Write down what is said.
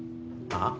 ああ？